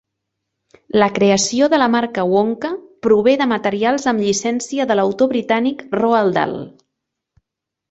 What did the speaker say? La creació de la marca Wonka prové de materials amb llicència de l'autor britànic Roald Dahl.